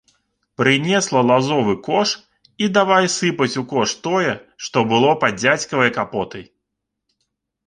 Прынесла лазовы кош і давай сыпаць у кош тое, што было пад дзядзькавай капотай.